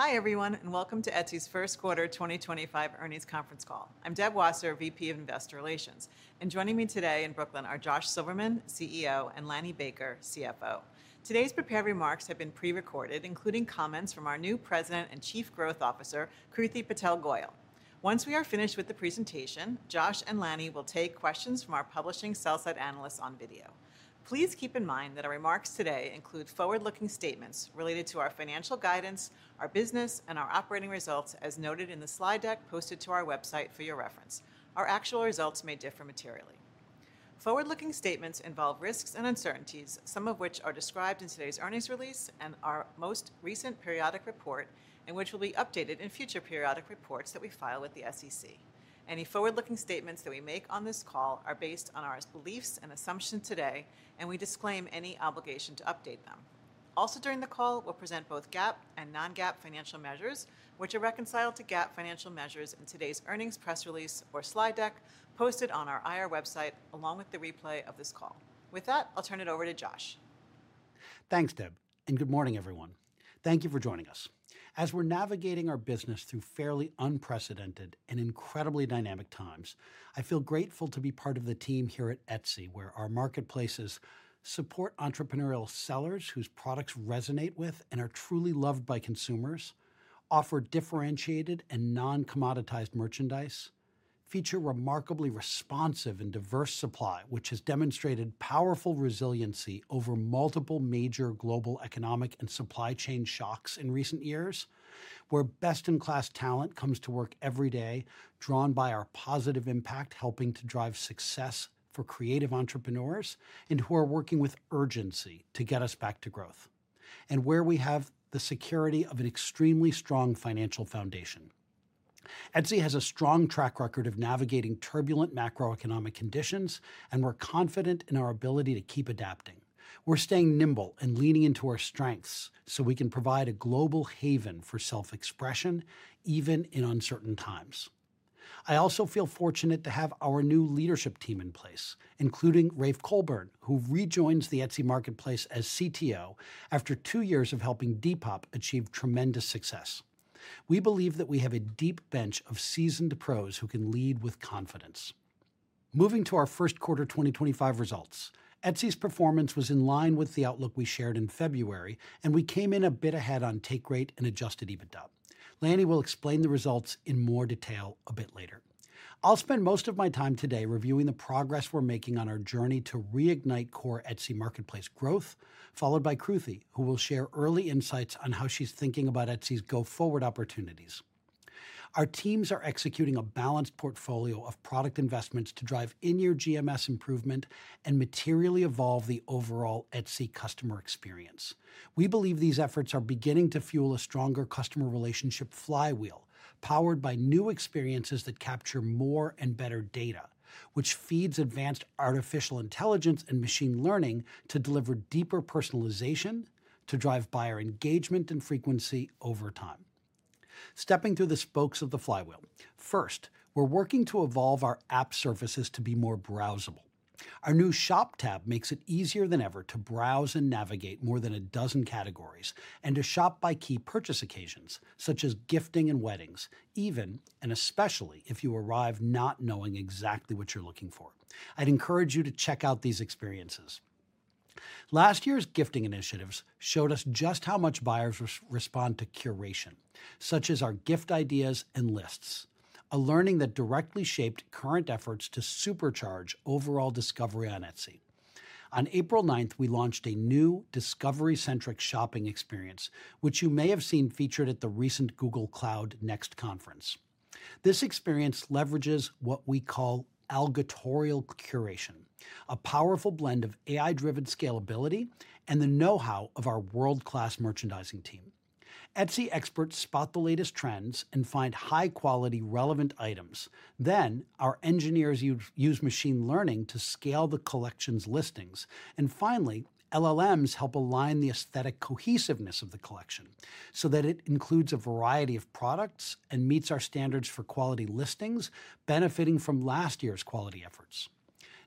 Hi everyone, and welcome to Etsy's First Quarter 2025 Earnings Conference Call. I'm Deb Wasser, VP of Investor Relations, and joining me today in Brooklyn are Josh Silverman, CEO, and Lanny Baker, CFO. Today's prepared remarks have been pre-recorded, including comments from our new President and Chief Growth Officer, Kruti Patel Goyal. Once we are finished with the presentation, Josh and Lanny will take questions from our publishing sell-side analysts on video. Please keep in mind that our remarks today include forward-looking statements related to our financial guidance, our business, and our operating results, as noted in the slide deck posted to our website for your reference. Our actual results may differ materially. Forward-looking statements involve risks and uncertainties, some of which are described in today's earnings release and our most recent periodic report, which will be updated in future periodic reports that we file with the SEC. Any forward-looking statements that we make on this call are based on our beliefs and assumptions today, and we disclaim any obligation to update them. Also, during the call, we'll present both GAAP and non-GAAP financial measures, which are reconciled to GAAP financial measures in today's earnings press release or slide deck posted on our IR website, along with the replay of this call. With that, I'll turn it over to Josh. Thanks, Deb, and good morning, everyone. Thank you for joining us. As we're navigating our business through fairly unprecedented and incredibly dynamic times, I feel grateful to be part of the team here at Etsy, where our marketplaces support entrepreneurial sellers whose products resonate with and are truly loved by consumers, offer differentiated and non-commoditized merchandise, and feature remarkably responsive and diverse supply, which has demonstrated powerful resiliency over multiple major global economic and supply chain shocks in recent years, where best-in-class talent comes to work every day, drawn by our positive impact, helping to drive success for creative entrepreneurs and who are working with urgency to get us back to growth, and where we have the security of an extremely strong financial foundation. Etsy has a strong track record of navigating turbulent macroeconomic conditions, and we're confident in our ability to keep adapting. We're staying nimble and leaning into our strengths so we can provide a global haven for self-expression, even in uncertain times. I also feel fortunate to have our new leadership team in place, including Rafe Colburn, who rejoins the Etsy marketplace as CTO after two years of helping Depop achieve tremendous success. We believe that we have a deep bench of seasoned pros who can lead with confidence. Moving to our first quarter 2025 results, Etsy's performance was in line with the outlook we shared in February, and we came in a bit ahead on take rate and adjusted EBITDA. Lanny will explain the results in more detail a bit later. I'll spend most of my time today reviewing the progress we're making on our journey to reignite core Etsy marketplace growth, followed by Kruti, who will share early insights on how she's thinking about Etsy's go-forward opportunities. Our teams are executing a balanced portfolio of product investments to drive in-year GMS improvement and materially evolve the overall Etsy customer experience. We believe these efforts are beginning to fuel a stronger customer relationship flywheel powered by new experiences that capture more and better data, which feeds advanced artificial intelligence and machine learning to deliver deeper personalization to drive buyer engagement and frequency over time. Stepping through the spokes of the flywheel, first, we're working to evolve our app services to be more browsable. Our new Shop Tab makes it easier than ever to browse and navigate more than a dozen categories and to shop by key purchase occasions, such as Gifting and Weddings, even and especially if you arrive not knowing exactly what you're looking for. I'd encourage you to check out these experiences. Last year's Gifting Initiatives showed us just how much buyers respond to curation, such as our Gift Ideas and Lists, a learning that directly shaped current efforts to supercharge overall discovery on Etsy. On April 9, we launched a new discovery-centric shopping experience, which you may have seen featured at the recent Google Cloud Next Conference. This experience leverages what we call algatorial curation, a powerful blend of AI-driven scalability and the know-how of our world-class merchandising team. Etsy experts spot the latest trends and find high-quality, relevant items. Our engineers use machine learning to scale the collection's listings, and finally, LLMs help align the aesthetic cohesiveness of the collection so that it includes a variety of products and meets our standards for quality listings, benefiting from last year's quality efforts.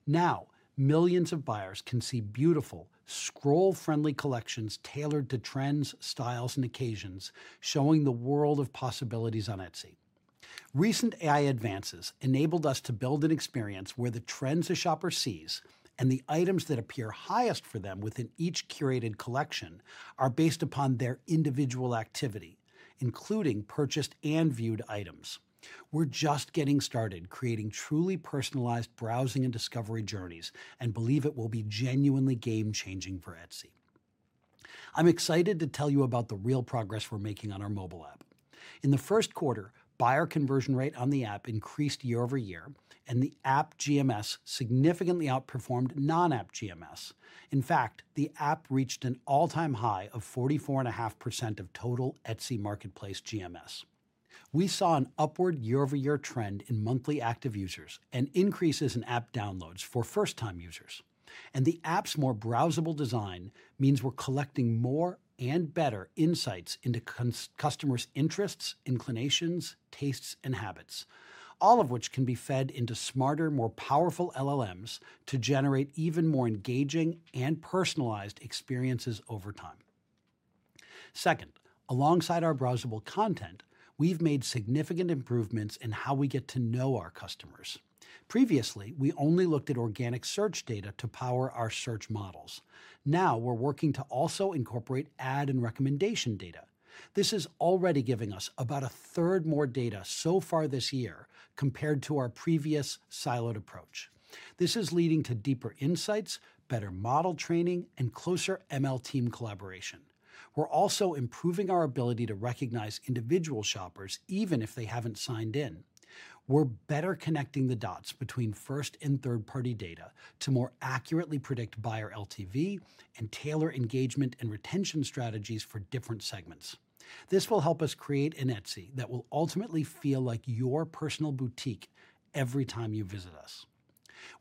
Now, millions of buyers can see beautiful, scroll-friendly collections tailored to trends, styles, and occasions, showing the world of possibilities on Etsy. Recent AI advances enabled us to build an experience where the trends a shopper sees and the items that appear highest for them within each curated collection are based upon their individual activity, including purchased and viewed items. We're just getting started creating truly personalized browsing and discovery journeys and believe it will be genuinely game-changing for Etsy. I'm excited to tell you about the real progress we're making on our mobile app. In the first quarter, buyer conversion rate on the app increased year-over-year, and the app GMS significantly outperformed non-app GMS. In fact, the app reached an all-time high of 44.5% of total Etsy Marketplace GMS. We saw an upward year-over-year trend in monthly active users and increases in app downloads for first-time users. The app's more browsable design means we're collecting more and better insights into customers' interests, inclinations, tastes, and habits, all of which can be fed into smarter, more powerful LLMs to generate even more engaging and personalized experiences over time. Second, alongside our browsable content, we've made significant improvements in how we get to know our customers. Previously, we only looked at organic search data to power our search models. Now we're working to also incorporate ad and recommendation data. This is already giving us about a third more data so far this year compared to our previous siloed approach. This is leading to deeper insights, better model training, and closer ML team collaboration. We're also improving our ability to recognize individual shoppers, even if they haven't signed in. We're better connecting the dots between first and third-party data to more accurately predict buyer LTV and tailor engagement and retention strategies for different segments. This will help us create an Etsy that will ultimately feel like your personal boutique every time you visit us.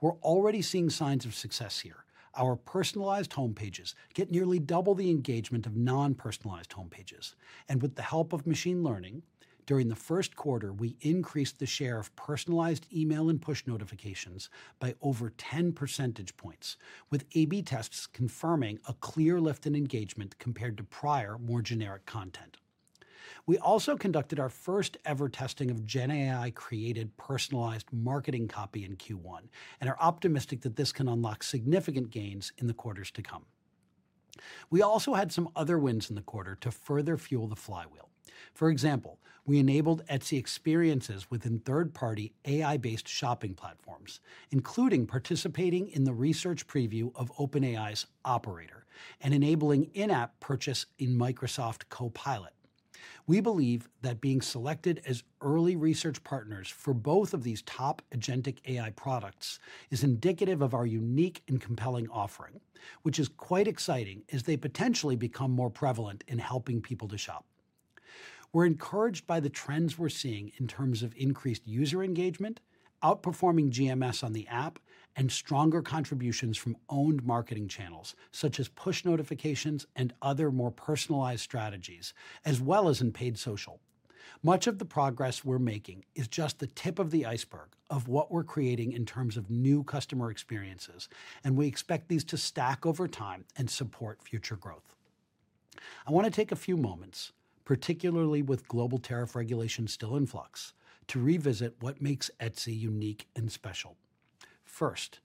We're already seeing signs of success here. Our personalized homepages get nearly double the engagement of non-personalized homepages, and with the help of machine learning, during the first quarter, we increased the share of personalized email and push notifications by over 10 percentage points, with A/B tests confirming a clear lift in engagement compared to prior, more generic content. We also conducted our first-ever testing GenAI-created personalized Marketing Copy in Q1, and are optimistic that this can unlock significant gains in the quarters to come. We also had some other wins in the quarter to further fuel the flywheel. For example, we enabled Etsy experiences within third-party AI-based shopping platforms, including participating in the research preview of OpenAI's Operator and enabling in-app purchase in Microsoft Copilot. We believe that being selected as early research partners for both of these top agentic AI products is indicative of our unique and compelling offering, which is quite exciting as they potentially become more prevalent in helping people to shop. We're encouraged by the trends we're seeing in terms of increased user engagement, outperforming GMS on the app, and stronger contributions from Owned marketing Channels such as Push Notifications and other more personalized strategies, as well as in Paid Social. Much of the progress we're making is just the tip of the iceberg of what we're creating in terms of new customer experiences, and we expect these to stack over time and support future growth. I want to take a few moments, particularly with global tariff regulations still in flux, to revisit what makes Etsy unique and special. First,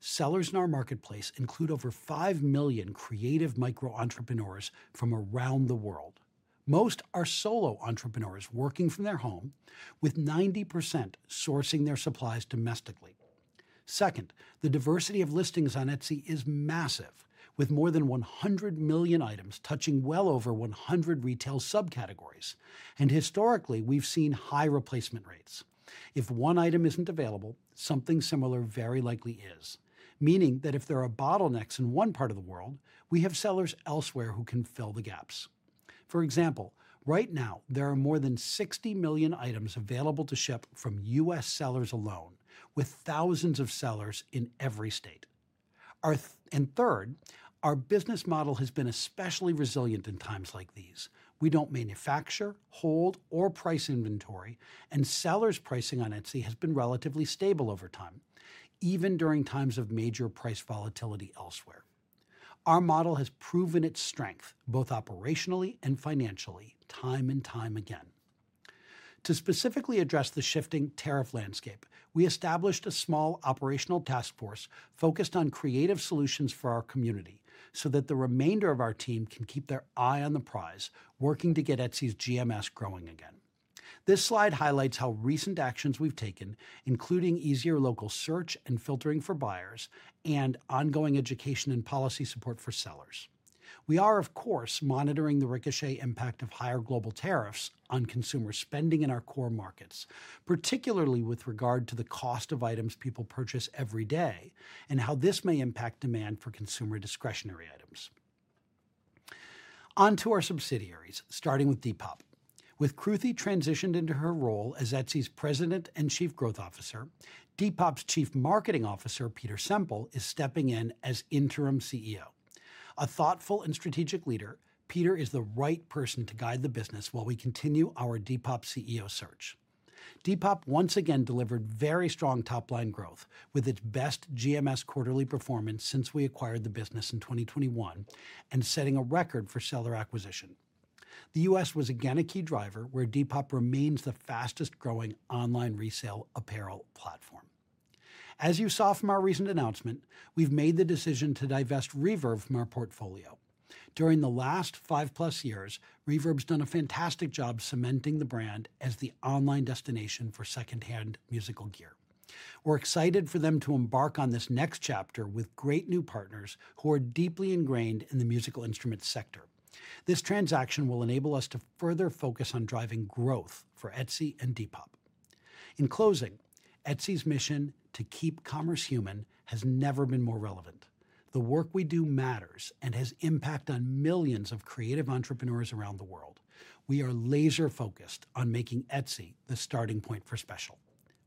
sellers in our marketplace include over 5 million creative Micro-Entrepreneurs from around the world. Most are Solo Entrepreneurs working from their home, with 90% sourcing their supplies domestically. Second, the diversity of listings on Etsy is massive, with more than 100 million items touching well over 100 retail subcategories, and historically, we've seen high replacement rates. If one item isn't available, something similar very likely is, meaning that if there are bottlenecks in one part of the world, we have sellers elsewhere who can fill the gaps. For example, right now, there are more than 60 million items available to ship from U.S. Sellers alone, with thousands of sellers in every state. Third, our business model has been especially resilient in times like these. We don't manufacture, hold, or price inventory, and sellers' pricing on Etsy has been relatively stable over time, even during times of major price volatility elsewhere. Our model has proven its strength both operationally and financially time and time again. To specifically address the shifting tariff landscape, we established a small operational task force focused on creative solutions for our community so that the remainder of our team can keep their eye on the prize, working to get Etsy's GMS growing again. This slide highlights how recent actions we've taken, including easier local search and filtering for buyers and ongoing education and policy support for sellers. We are, of course, monitoring the ricochet impact of higher global tariffs on consumer spending in our core markets, particularly with regard to the cost of items people purchase every day and how this may impact demand for consumer discretionary items. On to our subsidiaries, starting with Depop. With Kruti transitioned into her role as Etsy's President and Chief Growth Officer, Depop's Chief Marketing Officer, Peter Semple, is stepping in as interim CEO. A thoughtful and strategic leader, Peter is the right person to guide the business while we continue our Depop CEO search. Depop once again delivered very strong top-line growth with its best GMS Quarterly Performance since we acquired the business in 2021 and setting a record for Seller Acquisition. The U.S. was again a key driver, where Depop remains the Fastest-Growing Online Resale Apparel Platform. As you saw from our recent announcement, we've made the decision to divest Reverb from our portfolio. During the last five-plus years, Reverb's done a fantastic job cementing the brand as the Online Destination for Second-Hand Musical Gear. We're excited for them to embark on this next chapter with great new partners who are deeply ingrained in the Musical Instruments sector. This transaction will enable us to further focus on driving growth for Etsy and Depop. In closing, Etsy's Mission to Keep Commerce Human has never been more relevant. The work we do matters and has impact on millions of creative entrepreneurs around the world. We are laser-focused on making Etsy the Starting Point for Special.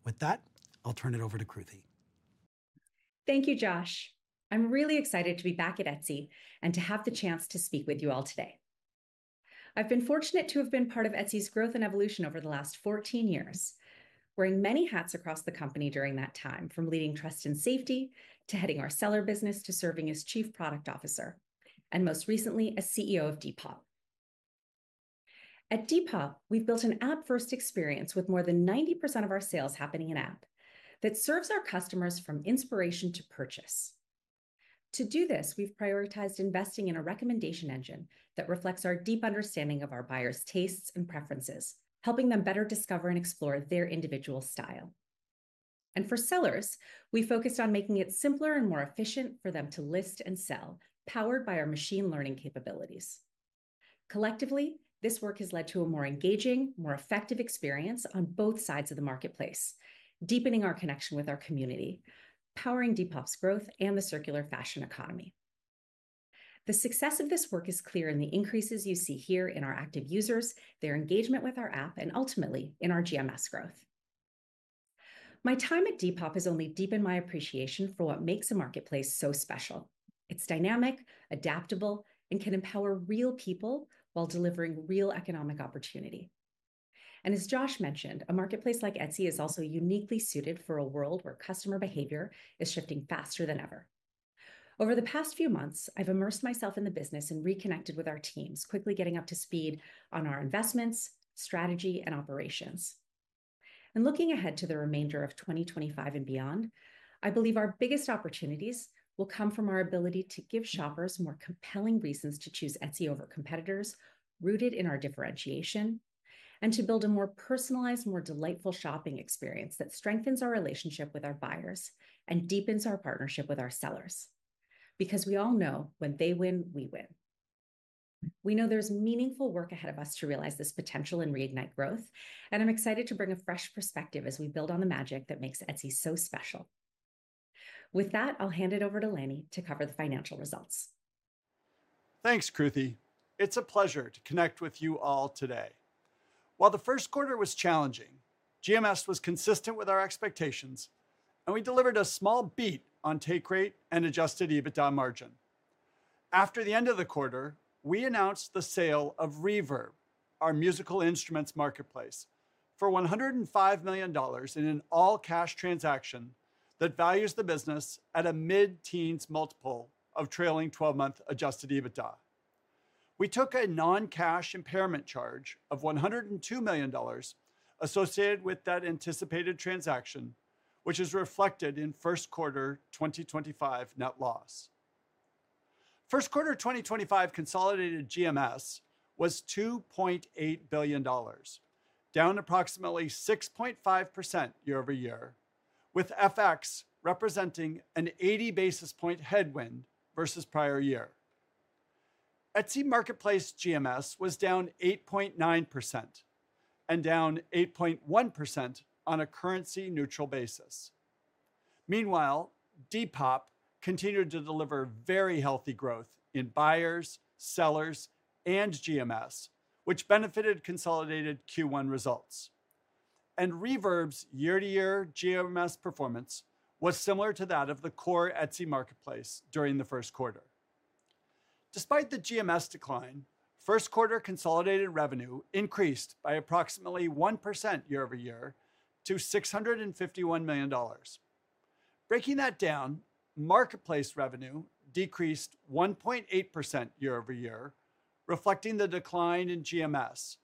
With that, I'll turn it over to Kruti. Thank you, Josh. I'm really excited to be back at Etsy and to have the chance to speak with you all today. I've been fortunate to have been part of Etsy's growth and evolution over the last 14 years, wearing many hats across the company during that time, from leading Trust and Safety to heading our Seller Business to serving as Chief Product Officer and most recently as CEO of Depop. At Depop, we've built an App-First Experience with more than 90% of our sales happening In-App that serves our customers from Inspiration to Purchase. To do this, we've prioritized investing in a recommendation engine that reflects our deep understanding of our buyers' tastes and preferences, helping them better discover and explore their individual style. For sellers, we focused on making it simpler and more efficient for them to list and sell, powered by our machine learning capabilities. Collectively, this work has led to a more engaging, more effective experience on both sides of the marketplace, deepening our connection with our community, powering Depop's growth and the circular fashion economy. The success of this work is clear in the increases you see here in our active users, their engagement with our app, and ultimately in our GMS growth. My time at Depop has only deepened my appreciation for what makes a marketplace so special. It's dynamic, adaptable, and can empower real people while delivering real economic opportunity. As Josh mentioned, a marketplace like Etsy is also uniquely suited for a world where customer behavior is shifting faster than ever. Over the past few months, I've immersed myself in the business and reconnected with our teams, quickly getting up to speed on our investments, strategy, and operations. Looking ahead to the remainder of 2025 and beyond, I believe our biggest opportunities will come from our ability to give shoppers more compelling reasons to choose Etsy over competitors, rooted in our differentiation, and to build a more personalized, more delightful shopping experience that strengthens our relationship with our buyers and deepens our partnership with our sellers. Because we all know when they win, we win. We know there's meaningful work ahead of us to realize this potential and reignite growth, and I'm excited to bring a fresh perspective as we build on the magic that makes Etsy so special. With that, I'll hand it over to Lanny to cover the financial results. Thanks, Kruti. It's a pleasure to connect with you all today. While the first quarter was challenging, GMS was consistent with our expectations, and we delivered a small beat on take rate and adjusted EBITDA margin. After the end of the quarter, we announced the sale of Reverb, our Musical Instruments Marketplace, for $105 million in an All-Cash Transaction that values the business at a mid-teens multiple of trailing 12-month adjusted EBITDA. We took a non-cash impairment charge of $102 million associated with that anticipated transaction, which is reflected in first quarter 2025 net loss. First quarter 2025 consolidated GMS was $2.8 billion, down approximately 6.5% year-over-year, with FX representing an 80 basis point headwind versus prior year. Etsy Marketplace GMS was down 8.9% and down 8.1% on a currency-neutral basis. Meanwhile, Depop continued to deliver very healthy growth in buyers, sellers, and GMS, which benefited consolidated Q1 results. Reverb's year-to-year GMS performance was similar to that of the core Etsy marketplace during the first quarter. Despite the GMS decline, first quarter consolidated revenue increased by approximately 1% year-over-year to $651 million. Breaking that down, marketplace revenue decreased 1.8% year-over-year, reflecting the decline in GMS,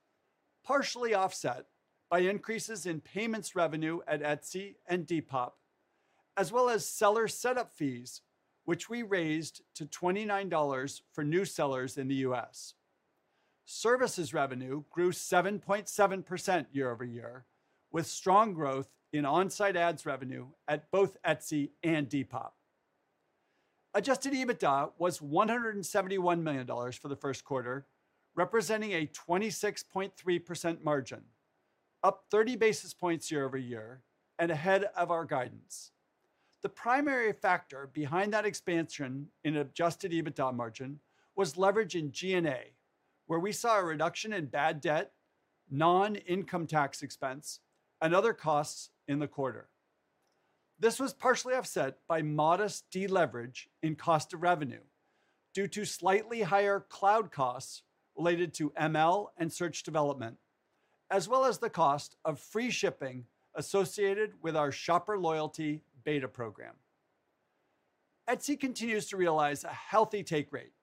partially offset by increases in payments revenue at Etsy and Depop, as well as seller setup fees, which we raised to $29 for new sellers in the U.S. Services revenue grew 7.7% year-over-year, with strong growth in onsite ads revenue at both Etsy and Depop. Adjusted EBITDA was $171 million for the first quarter, representing a 26.3% margin, up 30 basis points year-over-year and ahead of our guidance. The primary factor behind that expansion in adjusted EBITDA margin was leverage in G&A, where we saw a reduction in bad debt, non-income tax expense, and other costs in the quarter. This was partially offset by modest deleverage in cost of revenue due to slightly higher cloud costs related to ML and search development, as well as the cost of free shipping associated with our Shopper Loyalty Beta Program. Etsy continues to realize a healthy take rate,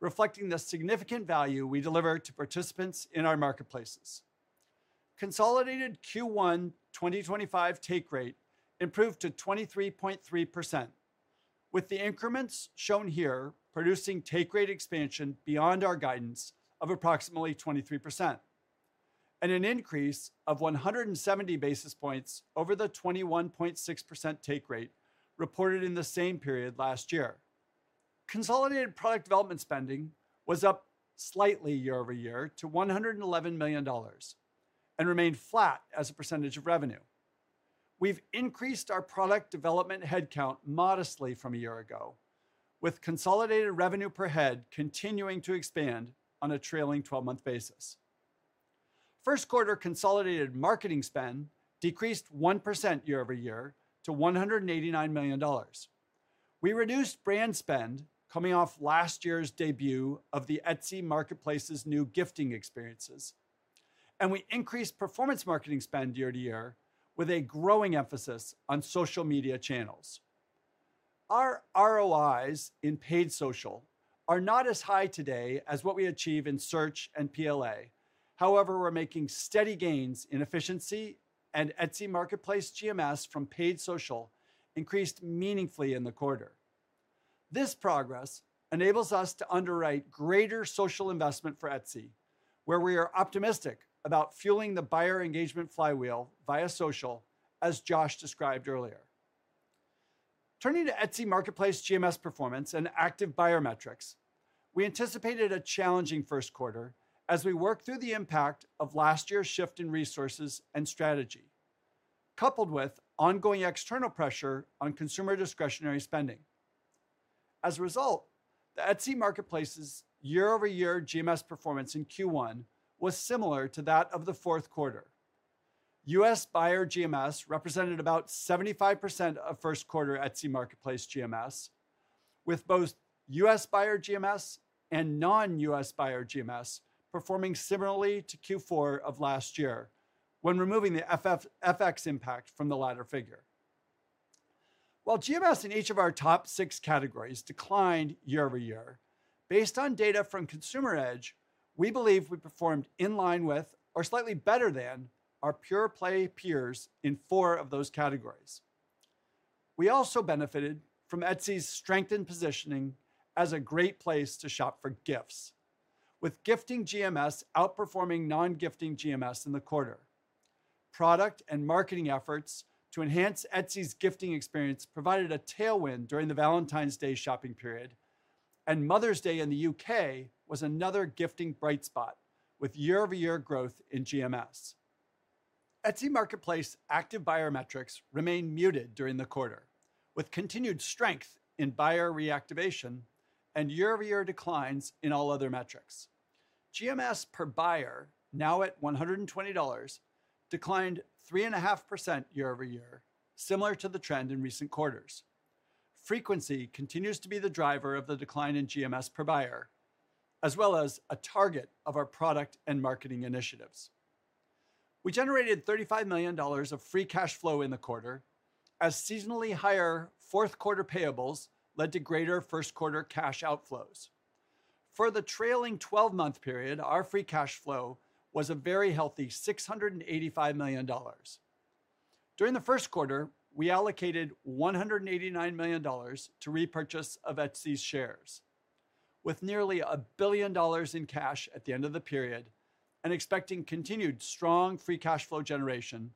reflecting the significant value we deliver to participants in our marketplaces. Consolidated Q1 2025 take rate improved to 23.3%, with the increments shown here producing take rate expansion beyond our guidance of approximately 23%, and an increase of 170 basis points over the 21.6% take rate reported in the same period last year. Consolidated product development spending was up slightly year over year to $111 million and remained flat as a percentage of revenue. We've increased our product development headcount modestly from a year ago, with consolidated revenue per head continuing to expand on a trailing 12-month basis. First quarter consolidated marketing spend decreased 1% year-over-year to $189 million. We reduced brand spend coming off last year's debut of the Etsy marketplace's new gifting experiences, and we increased performance marketing spend year to year with a growing emphasis on social media channels. Our ROIs in paid social are not as high today as what we achieve in search and PLA. However, we're making steady gains in efficiency, and Etsy Marketplace GMS from paid social increased meaningfully in the quarter. This progress enables us to underwrite greater social investment for Etsy, where we are optimistic about fueling the buyer engagement flywheel via social, as Josh described earlier. Turning to Etsy Marketplace GMS Performance and Active Buyer Metrics, we anticipated a challenging first quarter as we work through the impact of last year's shift in resources and strategy, coupled with ongoing external pressure on consumer discretionary spending. As a result, the Etsy Marketplace's year-over-year GMS Performance in Q1 was similar to that of the fourth quarter. U.S. buyer GMS represented about 75% of first quarter Etsy Marketplace GMS, with both U.S. buyer GMS and non-U.S. buyer GMS performing similarly to Q4 of last year when removing the FX impact from the latter figure. While GMS in each of our top six categories declined year over year, based on data from Consumer Edge, we believe we performed in line with or slightly better than our pure play peers in four of those categories. We also benefited from Etsy's strengthened positioning as a great place to shop for gifts, with gifting GMS outperforming non-gifting GMS in the quarter. Product and marketing efforts to enhance Etsy's gifting experience provided a tailwind during the Valentine's Day shopping period, and Mother's Day in the U.K. was another gifting bright spot, with year-over-year growth in GMS. Etsy Marketplace Active Buyer Metrics remained muted during the quarter, with continued strength in buyer reactivation and year-over-year declines in all other metrics. GMS per buyer, now at $120, declined 3.5% year-over-year, similar to the trend in recent quarters. Frequency continues to be the driver of the decline in GMS per buyer, as well as a target of our product and marketing initiatives. We generated $35 million of free cash flow in the quarter, as seasonally higher fourth quarter payables led to greater first quarter cash outflows. For the trailing 12-month period, our free cash flow was a very healthy $685 million. During the first quarter, we allocated $189 million to repurchase of Etsy's shares. With nearly a billion dollars in cash at the end of the period and expecting continued strong free cash flow generation,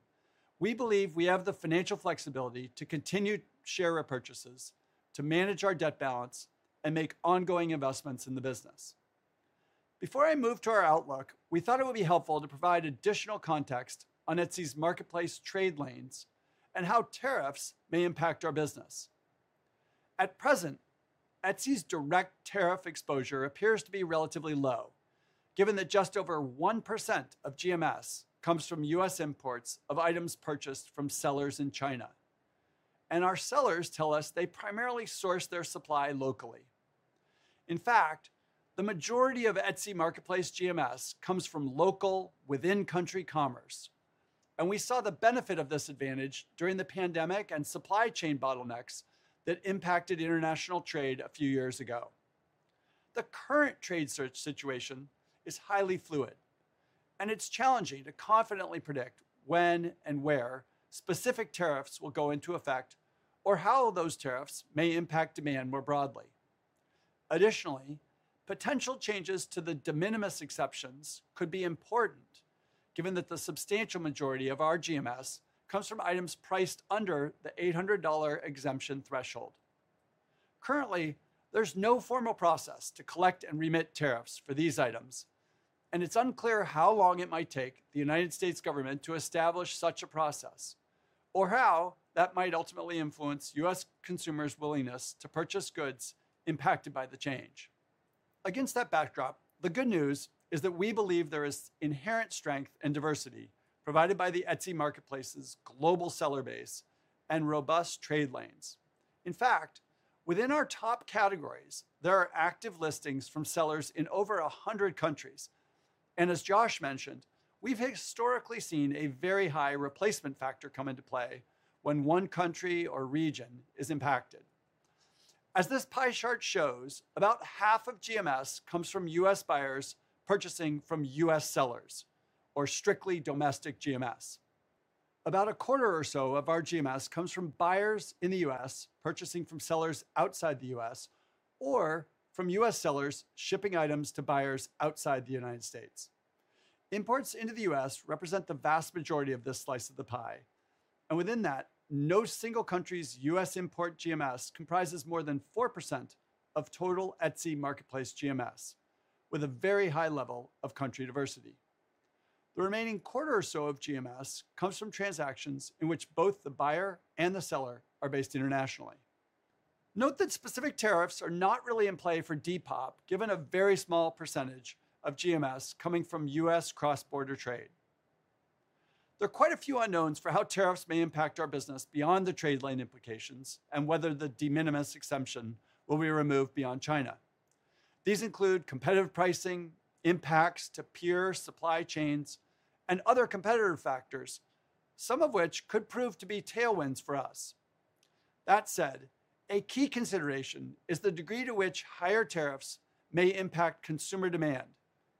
we believe we have the financial flexibility to continue share repurchases, to manage our debt balance, and make ongoing investments in the business. Before I move to our outlook, we thought it would be helpful to provide additional context on Etsy's marketplace trade lanes and how tariffs may impact our business. At present, Etsy's direct tariff exposure appears to be relatively low, given that just over 1% of GMS comes from U.S. imports of items purchased from sellers in China, and our sellers tell us they primarily source their supply locally. In fact, the majority of Etsy Marketplace GMS comes from local within-country commerce, and we saw the benefit of this advantage during the pandemic and supply chain bottlenecks that impacted international trade a few years ago. The current trade search situation is highly fluid, and it's challenging to confidently predict when and where specific tariffs will go into effect or how those tariffs may impact demand more broadly. Additionally, potential changes to the de minimis exemptions could be important, given that the substantial majority of our GMS comes from items priced under the $800 exemption threshold. Currently, there's no formal process to collect and remit tariffs for these items, and it's unclear how long it might take the U.S. government to establish such a process or how that might ultimately influence U.S. consumers' willingness to purchase goods impacted by the change. Against that backdrop, the good news is that we believe there is inherent strength and diversity provided by the Etsy marketplace's global seller base and robust trade lanes. In fact, within our top categories, there are active listings from sellers in over 100 countries. As Josh mentioned, we've historically seen a very high replacement factor come into play when one country or region is impacted. As this pie chart shows, about half of GMS comes from U.S. buyers purchasing from U.S. sellers or strictly domestic GMS. About a quarter or so of our GMS comes from buyers in the U.S. Purchasing from sellers outside the U.S. or from U.S. sellers shipping items to buyers outside the United States. Imports into the U.S. represent the vast majority of this slice of the pie, and within that, no single country's U.S. import GMS comprises more than 4% of total Etsy Marketplace GMS, with a very high level of country diversity. The remaining quarter or so of GMS comes from transactions in which both the buyer and the seller are based internationally. Note that specific tariffs are not really in play for Depop, given a very small percentage of GMS coming from U.S. cross-border trade. There are quite a few unknowns for how tariffs may impact our business beyond the trade lane implications and whether the de minimis exemption will be removed beyond China. These include competitive pricing, impacts to peer supply chains, and other competitor factors, some of which could prove to be tailwinds for us. That said, a key consideration is the degree to which higher tariffs may impact consumer demand,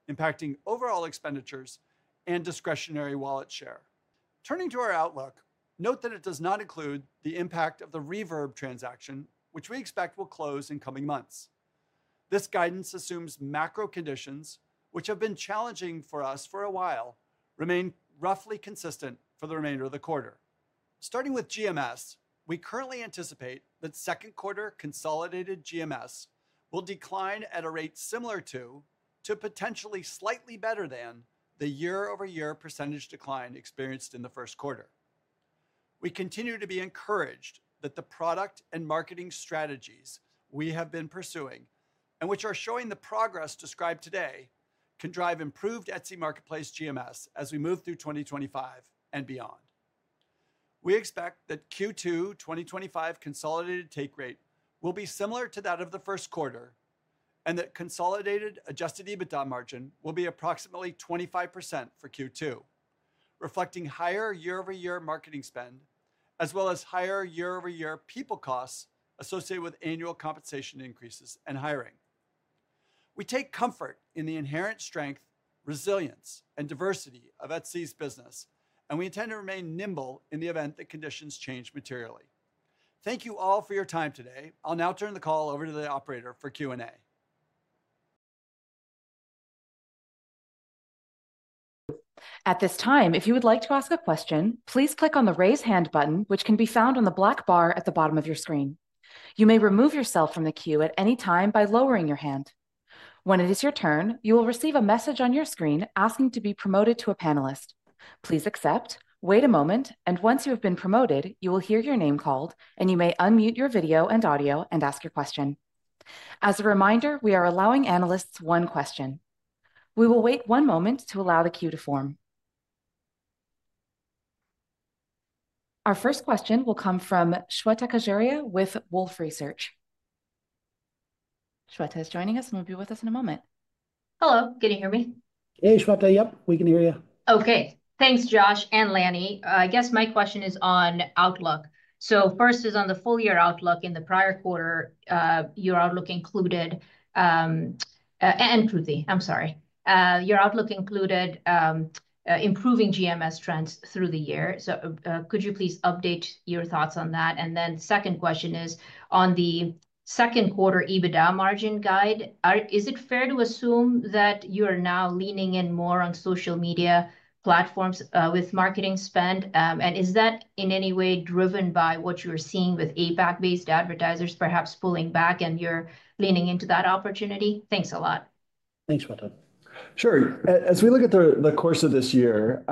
impacting overall expenditures and discretionary wallet share. Turning to our outlook, note that it does not include the impact of the Reverb transaction, which we expect will close in coming months. This guidance assumes macro conditions, which have been challenging for us for a while, remain roughly consistent for the remainder of the quarter. Starting with GMS, we currently anticipate that second quarter consolidated GMS will decline at a rate similar to, to potentially slightly better than the year-over-year percentage decline experienced in the first quarter. We continue to be encouraged that the product and marketing strategies we have been pursuing and which are showing the progress described today can drive improved Etsy Marketplace GMS as we move through 2025 and beyond. We expect that Q2 2025 consolidated take rate will be similar to that of the first quarter and that consolidated adjusted EBITDA margin will be approximately 25% for Q2, reflecting higher year-over-year marketing spend, as well as higher year-over-year people costs associated with annual compensation increases and hiring. We take comfort in the inherent strength, resilience, and diversity of Etsy's business, and we intend to remain nimble in the event that conditions change materially. Thank you all for your time today. I'll now turn the call over to the operator for Q&A. At this time, if you would like to ask a question, please click on the raise hand button, which can be found on the black bar at the bottom of your screen. You may remove yourself from the queue at any time by lowering your hand. When it is your turn, you will receive a message on your screen asking to be promoted to a panelist. Please accept, wait a moment, and once you have been promoted, you will hear your name called, and you may unmute your video and audio and ask your question. As a reminder, we are allowing analysts one question. We will wait one moment to allow the queue to form. Our first question will come from Shweta Khajuria with Wolfe Research. Shweta is joining us and will be with us in a moment. Hello. Can you hear me? Hey, Shweta. Yep, we can hear you. Okay. Thanks, Josh and Lanny. I guess my question is on outlook. First is on the full year outlook. In the prior quarter, your outlook included, and Kruti, I'm sorry, your outlook included improving GMS trends through the year. Could you please update your thoughts on that? The second question is on the second quarter EBITDA margin guide. Is it fair to assume that you are now leaning in more on social media platforms with marketing spend? Is that in any way driven by what you're seeing with APAC-based advertisers perhaps pulling back and you're leaning into that opportunity? Thanks a lot. Thanks, Shweta. Sure. As we look at the course of this year,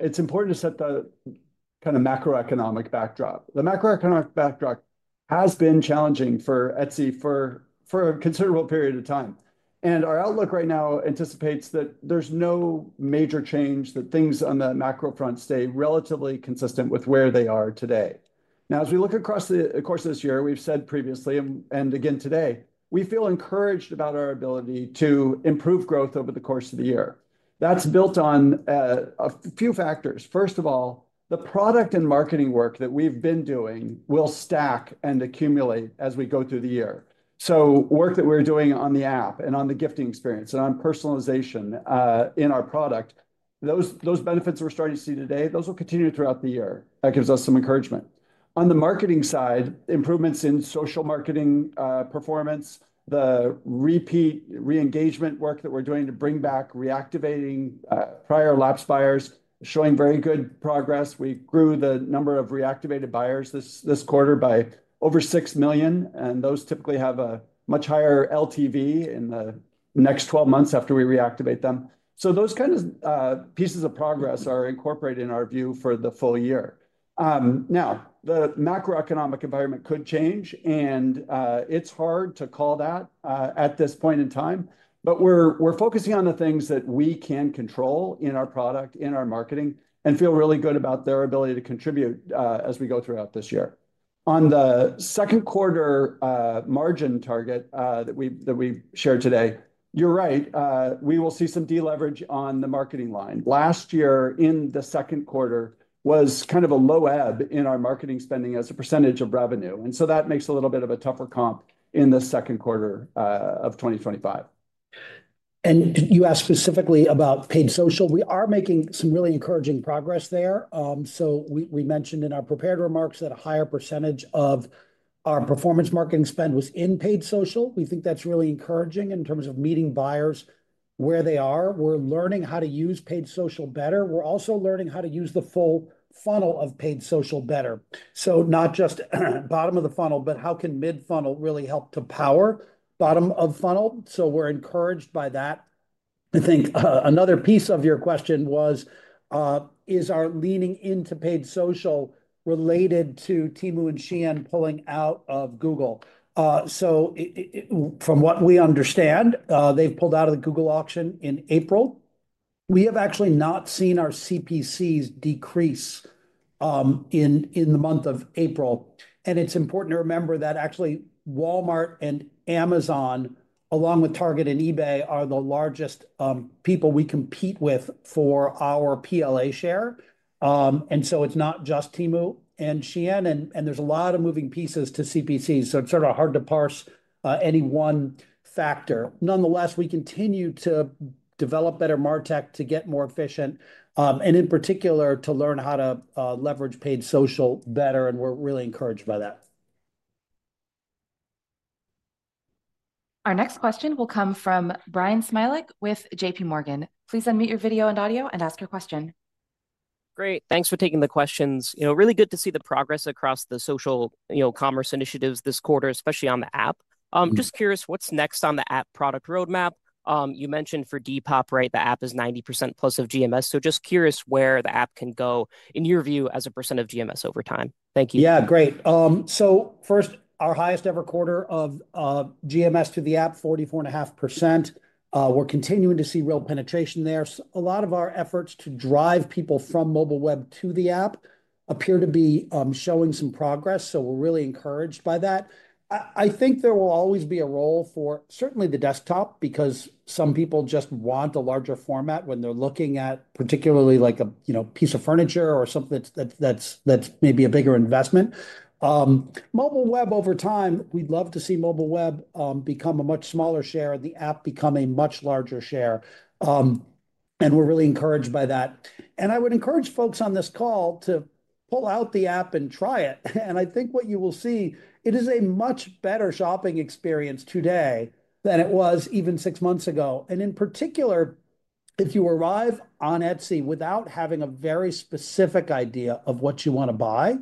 it's important to set the kind of macroeconomic backdrop. The macroeconomic backdrop has been challenging for Etsy for a considerable period of time. Our outlook right now anticipates that there's no major change, that things on the Macro Front stay relatively consistent with where they are today. As we look across the course of this year, we've said previously, and again today, we feel encouraged about our ability to improve growth over the course of the year. That's built on a few factors. First of all, the product and marketing work that we've been doing will stack and accumulate as we go through the year. Work that we're doing on the app and on the Gifting Experience and on personalization in our product, those benefits we're starting to see today, those will continue throughout the year. That gives us some encouragement. On the marketing side, improvements in social marketing performance, the repeat re-engagement work that we're doing to bring back reactivating prior Lapsed buyers showing very good progress. We grew the number of reactivated buyers this quarter by over 6 million, and those typically have a much higher LTV in the next 12 months after we reactivate them. Those kinds of pieces of progress are incorporated in our view for the full year. Now, the macroeconomic environment could change, and it's hard to call that at this point in time, but we're focusing on the things that we can control in our product, in our marketing, and feel really good about their ability to contribute as we go throughout this year. On the second quarter margin target that we've shared today, you're right, we will see some deleverage on the marketing line. Last year in the second quarter was kind of a low ebb in our marketing spending as a percentage of revenue. That makes a little bit of a tougher comp in the second quarter of 2025. You asked specifically about paid social. We are making some really encouraging progress there. We mentioned in our prepared remarks that a higher percentage of our performance marketing spend was in paid social. We think that is really encouraging in terms of meeting buyers where they are. We are learning how to use paid social better. We are also learning how to use the full funnel of paid social better. Not just bottom of the funnel, but how can mid-funnel really help to power bottom of funnel? We are encouraged by that. I think another piece of your question was, is our leaning into paid social related to Temu and Shein pulling out of Google? So, from what we understand, they have pulled out of the Google auction in April. We have actually not seen our CPCs decrease in the month of April. It is important to remember that actually Walmart and Amazon, along with Target and eBay, are the largest people we compete with for our PLA Share. It is not just Temu and Shein. There are a lot of moving pieces to CPC, so it is sort of hard to parse any one factor. Nonetheless, we continue to develop better MarTech to get more efficient and in particular to learn how to leverage paid social better, and we are really encouraged by that. Our next question will come from Bryan Smilek with JPMorgan. Please unmute your video and audio and ask your question. Great. Thanks for taking the questions. Really good to see the progress across the social commerce initiatives this quarter, especially on the app. Just curious what is next on the app product roadmap. You mentioned for Depop, right, the app is 90% plus of GMS. Just curious where the app can go in your view as a percent of GMS over time. Thank you. Yeah, great. First, our highest ever quarter of GMS to the app, 44.5%. We're continuing to see real penetration there. A lot of our efforts to drive people from mobile web to the app appear to be showing some progress, so we're really encouraged by that. I think there will always be a role for certainly the desktop because some people just want a larger format when they're looking at particularly like a piece of furniture or something that's maybe a bigger investment. Mobile web over time, we'd love to see mobile web become a much smaller share and the app become a much larger share. We're really encouraged by that. I would encourage folks on this call to pull out the app and try it. I think what you will see, it is a much better shopping experience today than it was even six months ago. In particular, if you arrive on Etsy without having a very specific idea of what you want to buy,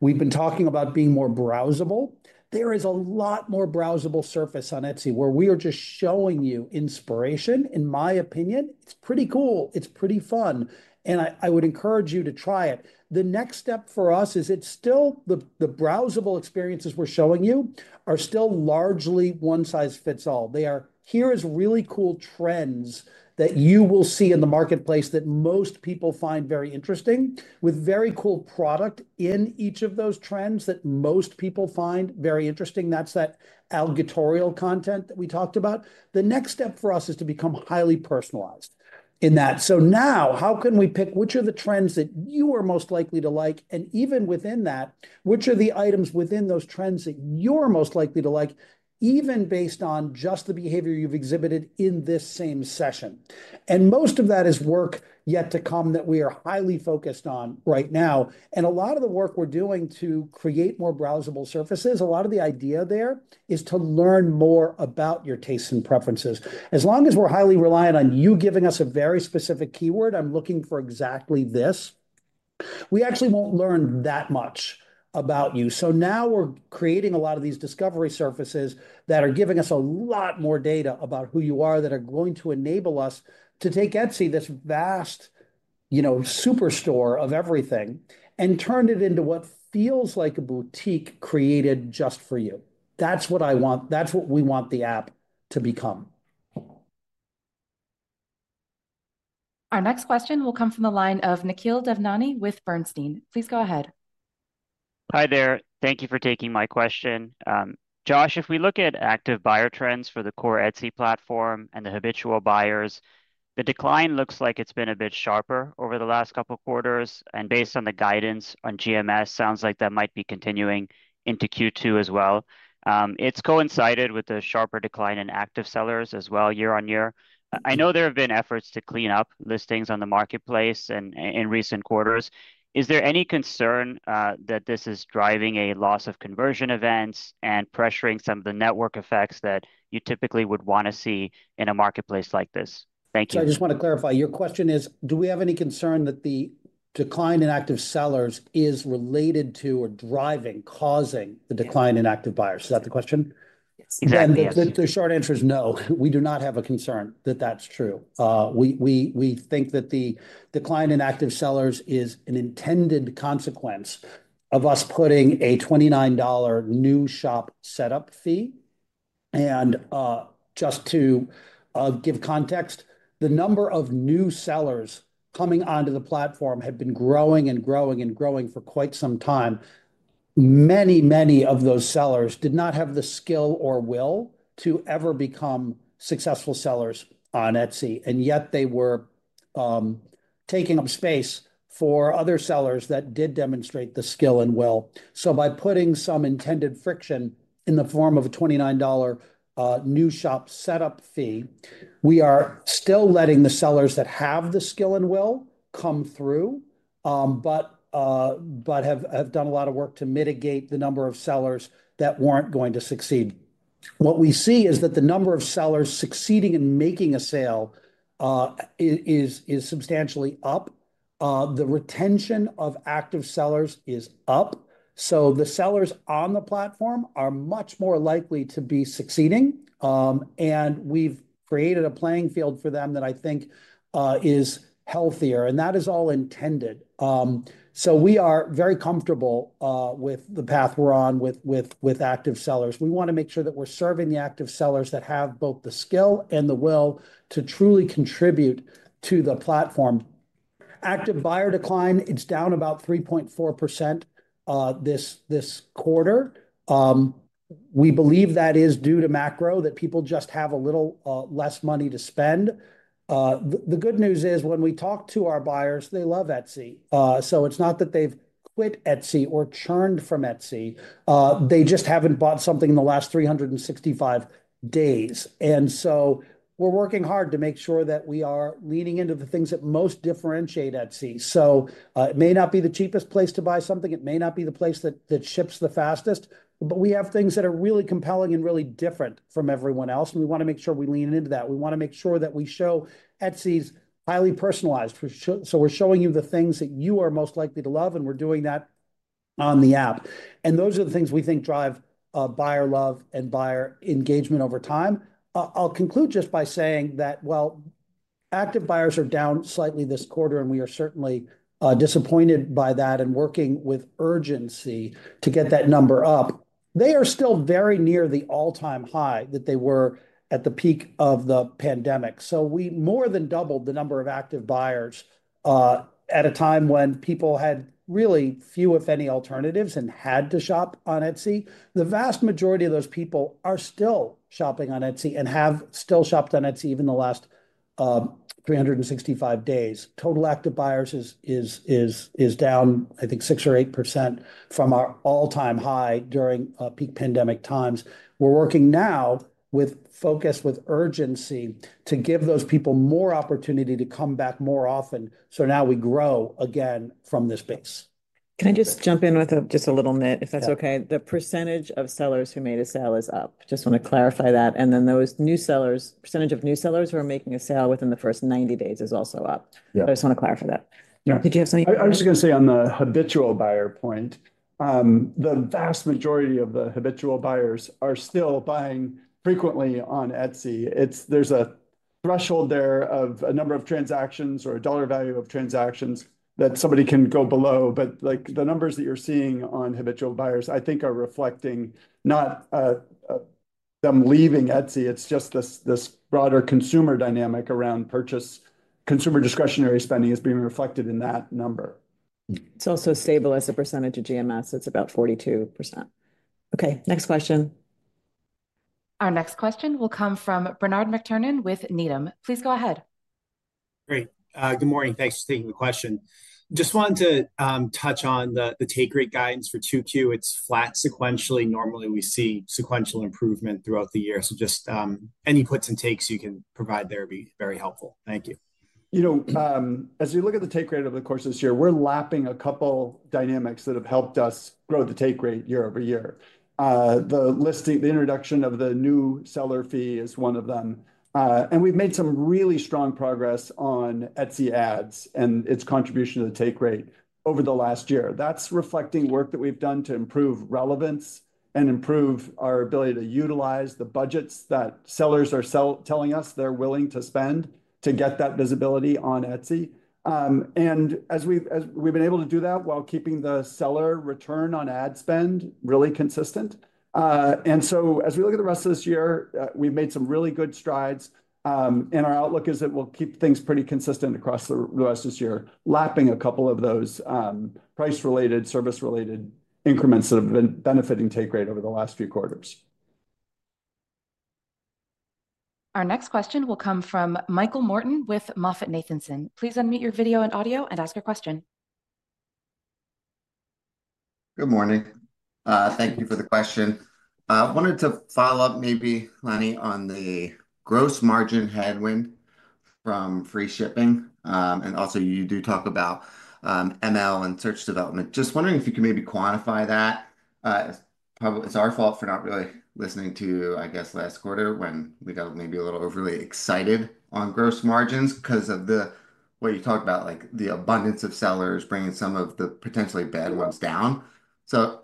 we've been talking about being more browsable. There is a lot more browsable surface on Etsy where we are just showing you inspiration. In my opinion, it's pretty cool. It's pretty fun. I would encourage you to try it. The next step for us is it's still the browsable experiences we're showing you are still largely one size fits all. They are here as really cool trends that you will see in the marketplace that most people find very interesting with very cool product in each of those trends that most people find very interesting. That is that algatorial content that we talked about. The next step for us is to become highly personalized in that. Now how can we pick which are the trends that you are most likely to like? Even within that, which are the items within those trends that you are most likely to like, even based on just the behavior you have exhibited in this same session? Most of that is work yet to come that we are highly focused on right now. A lot of the work we are doing to create more browsable surfaces, a lot of the idea there is to learn more about your tastes and preferences. As long as we're highly reliant on you giving us a very specific keyword, I'm looking for exactly this, we actually won't learn that much about you. Now we're creating a lot of these discovery surfaces that are giving us a lot more data about who you are that are going to enable us to take Etsy, this vast superstore of everything, and turn it into what feels like a boutique created just for you. That's what I want. That's what we want the app to become. Our next question will come from the line of Nikhil Devnani with Bernstein. Please go ahead. Hi there. Thank you for taking my question. Josh, if we look at active buyer trends for the core Etsy platform and the habitual buyers, the decline looks like it's been a bit sharper over the last couple of quarters. Based on the guidance on GMS, it sounds like that might be continuing into Q2 as well. It has coincided with a sharper decline in active sellers as well year-on-year. I know there have been efforts to clean up listings on the marketplace in recent quarters. Is there any concern that this is driving a loss of conversion events and pressuring some of the network effects that you typically would want to see in a marketplace like this? Thank you. I just want to clarify. Your question is, do we have any concern that the decline in active sellers is related to or driving, causing the decline in active buyers? Is that the question? Yes. Exactly. The short answer is no. We do not have a concern that that's true. We think that the decline in active sellers is an intended consequence of us putting a $29 new shop setup fee. Just to give context, the number of new sellers coming onto the platform had been growing and growing and growing for quite some time. Many, many of those sellers did not have the skill or will to ever become successful sellers on Etsy, and yet they were taking up space for other sellers that did demonstrate the skill and will. By putting some intended friction in the form of a $29 new shop setup fee, we are still letting the sellers that have the skill and will come through, but have done a lot of work to mitigate the number of sellers that were not going to succeed. What we see is that the number of sellers succeeding in making a sale is substantially up. The retention of active sellers is up. The sellers on the platform are much more likely to be succeeding. We have created a playing field for them that I think is healthier. That is all intended. We are very comfortable with the path we are on with active sellers. We want to make sure that we are serving the active sellers that have both the skill and the will to truly contribute to the platform. Active buyer decline, it is down about 3.4% this quarter. We believe that is due to macro, that people just have a little less money to spend. The good news is when we talk to our buyers, they love Etsy. It is not that they have quit Etsy or churned from Etsy. They just have not bought something in the last 365 days. We are working hard to make sure that we are leaning into the things that most differentiate Etsy. It may not be the cheapest place to buy something. It may not be the place that ships the fastest, but we have things that are really compelling and really different from everyone else. We want to make sure we lean into that. We want to make sure that we show Etsy's highly personalized. We are showing you the things that you are most likely to love, and we are doing that on the app. Those are the things we think drive buyer love and buyer engagement over time. I will conclude just by saying that, while active buyers are down slightly this quarter, we are certainly disappointed by that and working with urgency to get that number up. They are still very near the all-time high that they were at the peak of the pandemic. We more than doubled the number of active buyers at a time when people had really few, if any, alternatives and had to shop on Etsy. The vast majority of those people are still shopping on Etsy and have still shopped on Etsy even the last 365 days. Total active buyers is down, I think, 6% or 8% from our all-time high during peak pandemic times. We are working now with focus, with urgency to give those people more opportunity to come back more often. Now we grow again from this base. Can I just jump in with just a little nit, if that's okay? The percentage of sellers who made a sale is up. Just want to clarify that. Those new sellers, percentage of new sellers who are making a sale within the first 90 days is also up. I just want to clarify that. Did you have something? I was just going to say on the habitual buyer point, the vast majority of the habitual buyers are still buying frequently on Etsy. There's a threshold there of a number of transactions or a dollar value of transactions that somebody can go below. The numbers that you're seeing on habitual buyers, I think, are reflecting not them leaving Etsy. It's just this broader consumer dynamic around purchase. Consumer discretionary spending is being reflected in that number. It's also stable as a percentage of GMS. It's about 42%. Okay. Next question. Our next question will come from Bernard McTernan with Needham. Please go ahead. Great. Good morning. Thanks for taking the question. Just wanted to touch on the take rate guidance for Q2 it's flat sequentiall, normally we see sequential improvement throughout the year. Just any puts and takes you can provide there would be very helpful? Thank you. As you look at the take rate over the course of this year, we're lapping a couple dynamics that have helped us grow the take rate year over year. The introduction of the new seller fee is one of them. We've made some really strong progress on Etsy ads and its contribution to the take rate over the last year. That's reflecting work that we've done to improve relevance and improve our ability to utilize the budgets that sellers are telling us they're willing to spend to get that visibility on Etsy. We've been able to do that while keeping the seller return on ad spend really consistent. As we look at the rest of this year, we've made some really good strides. Our outlook is that we'll keep things pretty consistent across the rest of this year, lapping a couple of those price-related, service-related increments that have been benefiting take rate over the last few quarters. Our next question will come from Michael Morton with MoffettNathanson. Please unmute your video and audio and ask your question. Good morning. Thank you for the question. I wanted to follow up maybe, Lanny, on the gross margin headwind from free shipping. Also, you do talk about ML and search development. Just wondering if you could maybe quantify that? It's our fault for not really listening to, I guess, last quarter when we got maybe a little overly excited on gross margins because of what you talked about, like the abundance of sellers bringing some of the potentially bad ones down.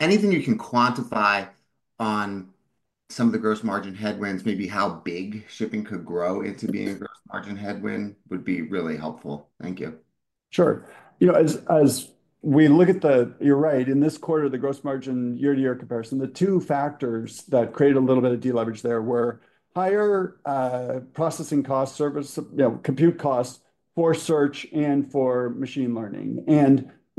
Anything you can quantify on some of the gross margin headwinds, maybe how big shipping could grow into being a gross margin headwind would be really helpful? Thank you. Sure. As we look at the, you're right, in this quarter, the gross margin year-to-year comparison, the two factors that created a little bit of deleverage there were higher processing costs, compute costs for search and for machine learning.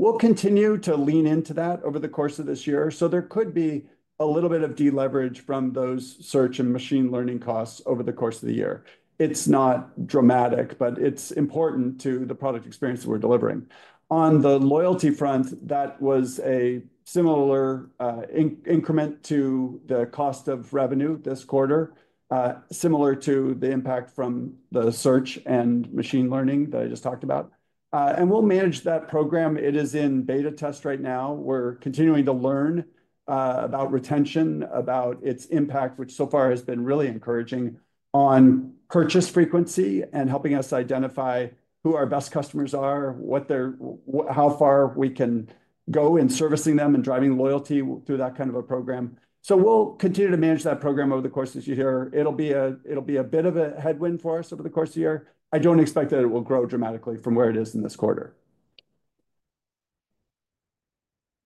We'll continue to lean into that over the course of this year. There could be a little bit of deleverage from those search and machine learning costs over the course of the year. It's not dramatic, but it's important to the product experience that we're delivering. On the loyalty front, that was a similar increment to the cost of revenue this quarter, similar to the impact from the search and machine learning that I just talked about. We'll manage that program. It is in beta test right now. We're continuing to learn about retention, about its impact, which so far has been really encouraging on purchase frequency and helping us identify who our best customers are, how far we can go in servicing them and driving loyalty through that kind of a program. We'll continue to manage that program over the course of this year. It'll be a bit of a headwind for us over the course of the year. I don't expect that it will grow dramatically from where it is in this quarter.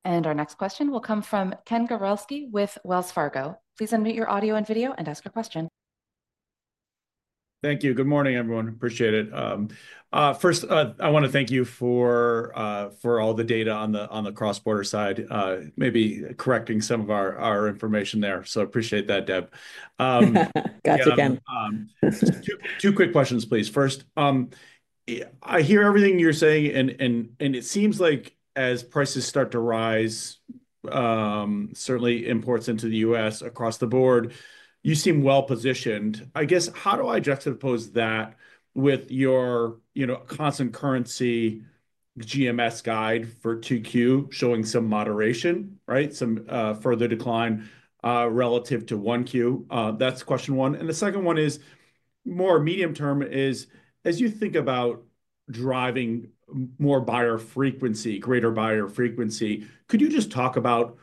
Our next question will come from Ken Gawrelski with Wells Fargo. Please unmute your audio and video and ask your question. Thank you. Good morning, everyone. Appreciate it. First, I want to thank you for all the data on the cross-border side, maybe correcting some of our information there. So appreciate that, Deb. Gotcha, Ken. Two quick questions, please. First, I hear everything you're saying, and it seems like as prices start to rise, certainly imports into the U.S. across the board, you seem well positioned. I guess, how do I juxtapose that with your constant currency GMS guide for Q2 showing some moderation, right? Some further decline relative to Q1. That's question one. The second one is more medium term. As you think about driving more buyer frequency, greater buyer frequency, could you just talk about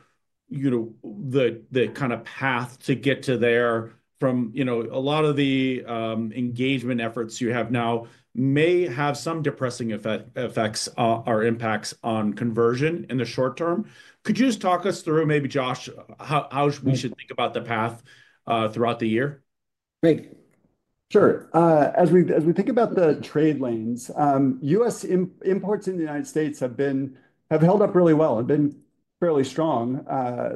the kind of path to get to there from a lot of the engagement efforts you have now may have some depressing effects or impacts on conversion in the short term? Could you just talk us through, maybe, Josh, how we should think about the path throughout the year? Great. Sure. As we think about the trade lanes, U.S. imports in the United States have held up really well, have been fairly strong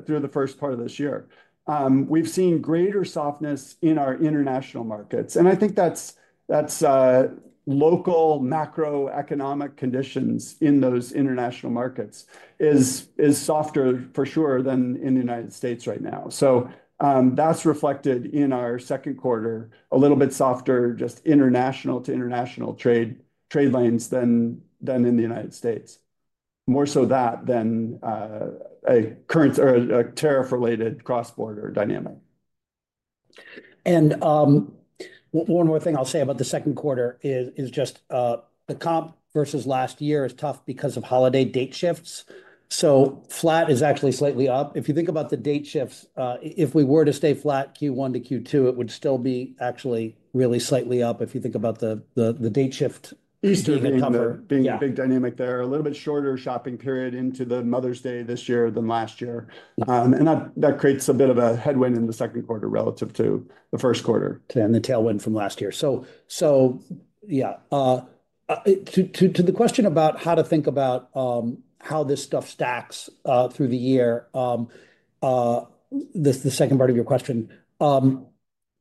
through the first part of this year. We've seen greater softness in our international markets. I think that's local macroeconomic conditions in those international markets is softer, for sure, than in the United States right now. That is reflected in our second quarter, a little bit softer, just international to international trade lanes than in the United States. More so that than a tariff-related cross-border dynamic. One more thing I'll say about the second quarter is just the comp versus last year is tough because of holiday date shifts. Flat is actually slightly up. If you think about the date shifts, if we were to stay flat Q1 to Q2, it would still be actually really slightly up if you think about the date shift being a big dynamic there. A little bit shorter shopping period into the Mother's Day this year than last year. That creates a bit of a headwind in the second quarter relative to the first quarter. The tailwind from last year. Yeah. To the question about how to think about how this stuff stacks through the year, the second part of your question,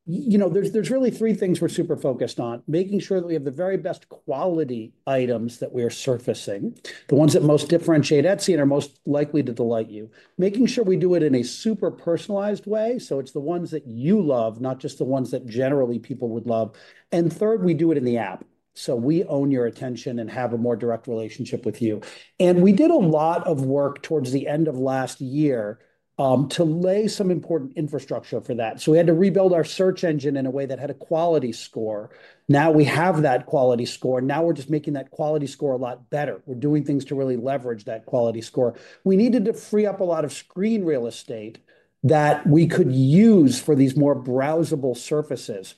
there's really three things we're super focused on: making sure that we have the very best quality items that we are surfacing, the ones that most differentiate Etsy and are most likely to delight you, making sure we do it in a super personalized way. It's the ones that you love, not just the ones that generally people would love. Third, we do it in the app. We own your attention and have a more direct relationship with you. We did a lot of work towards the end of last year to lay some important infrastructure for that. We had to rebuild our search engine in a way that had a quality score. Now we have that quality score. Now we're just making that quality score a lot better. We're doing things to really leverage that quality score. We needed to free up a lot of screen real estate that we could use for these more browsable surfaces.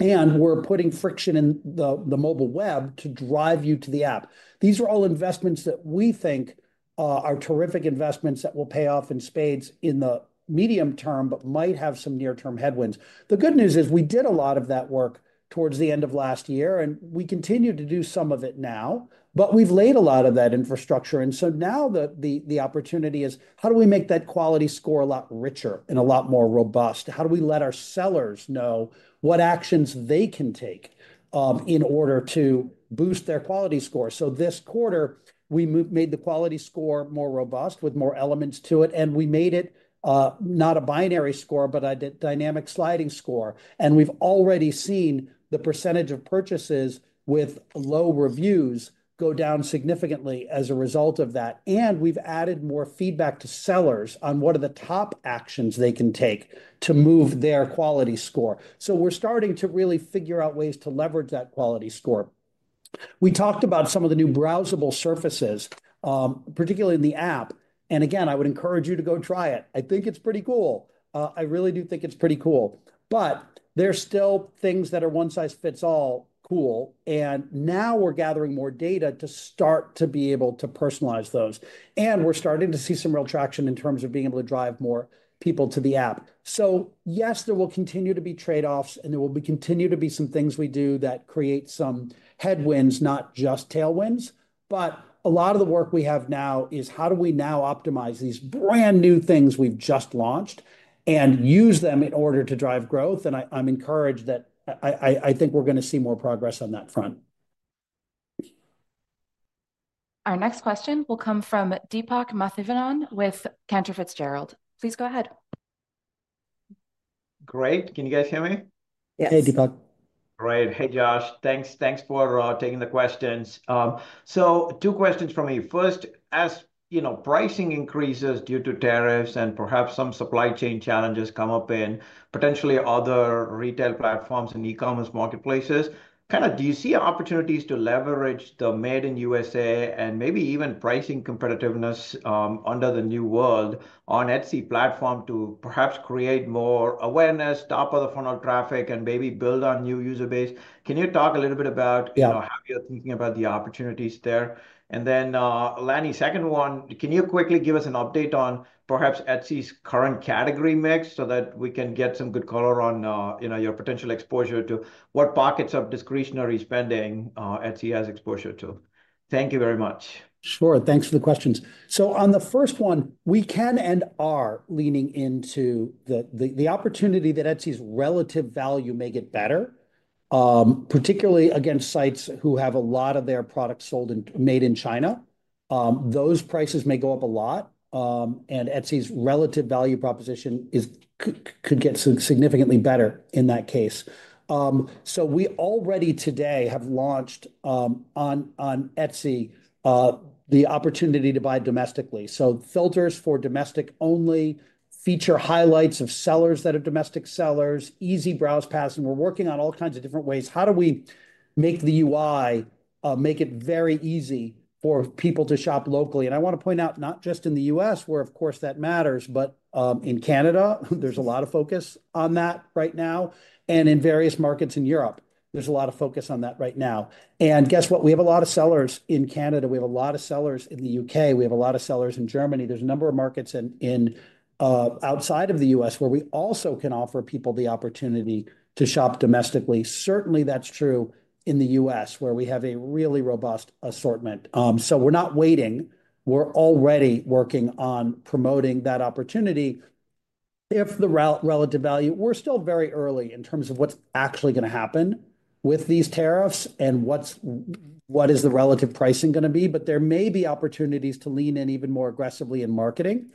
We're putting friction in the mobile web to drive you to the app. These are all investments that we think are terrific investments that will pay off in spades in the medium term, but might have some near-term headwinds. The good news is we did a lot of that work towards the end of last year, and we continue to do some of it now, but we've laid a lot of that infrastructure. Now the opportunity is, how do we make that quality score a lot richer and a lot more robust? How do we let our sellers know what actions they can take in order to boost their quality score? This quarter, we made the quality score more robust with more elements to it. We made it not a binary score, but a dynamic sliding score. We've already seen the percentage of purchases with low reviews go down significantly as a result of that. We've added more feedback to sellers on what are the top actions they can take to move their quality score. We're starting to really figure out ways to leverage that quality score. We talked about some of the new browsable surfaces, particularly in the app. I would encourage you to go try it. I think it's pretty cool. I really do think it's pretty cool but there's still things that are one-size-fits-all cool. We're gathering more data to start to be able to personalize those. We're starting to see some real traction in terms of being able to drive more people to the app. Yes, there will continue to be trade-offs, and there will continue to be some things we do that create some headwinds, not just tailwinds. A lot of the work we have now is how do we now optimize these brand new things we've just launched and use them in order to drive growth. I'm encouraged that I think we're going to see more progress on that front. Our next question will come from Deepak Mathivanan with Cantor Fitzgerald. Please go ahead. Great. Can you guys hear me? Yes. Hey, Deepak. Great. Hey, Josh. Thanks for taking the questions. Two questions for me. First, as pricing increases due to tariffs and perhaps some supply chain challenges come up in potentially other retail platforms and e-commerce marketplaces, do you see opportunities to leverage the made-in-USA and maybe even pricing competitiveness under the new world on Etsy platform to perhaps create more awareness, top of the funnel traffic, and maybe build on new user base? Can you talk a little bit about how you're thinking about the opportunities there? Then, Lanny, second one, can you quickly give us an update on perhaps Etsy's current category mix so that we can get some good color on your potential exposure to what pockets of discretionary spending Etsy has exposure to? Thank you very much. Sure. Thanks for the questions. On the first one, we can and are leaning into the opportunity that Etsy's relative value may get better, particularly against sites who have a lot of their products sold and made in China. Those prices may go up a lot, and Etsy's relative value proposition could get significantly better in that case. We already today have launched on Etsy the opportunity to buy domestically. Filters for domestic only, feature highlights of sellers that are domestic sellers, easy browse paths. We are working on all kinds of different ways. How do we make the UI make it very easy for people to shop locally? I want to point out not just in the U.S. where, of course, that matters, but in Canada, there is a lot of focus on that right now. In various markets in Europe, there is a lot of focus on that right now. Guess what? We have a lot of sellers in Canada. We have a lot of sellers in the U.K. We have a lot of sellers in Germany. There is a number of markets outside of the U.S. where we also can offer people the opportunity to shop domestically. Certainly, that is true in the U.S. where we have a really robust assortment. We are not waiting. We are already working on promoting that opportunity. If the relative value, we are still very early in terms of what is actually going to happen with these tariffs and what is the relative pricing going to be. There may be opportunities to lean in even more aggressively in marketing